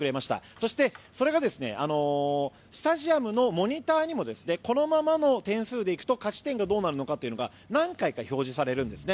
そして、それがスタジアムのモニターにもこのままの点数で行くと勝ち点がどうなるのかというのが何回か表示されるんですね。